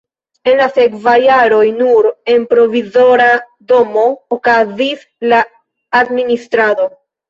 En la sekvaj jaroj nur en provizora domo okazis la administrado.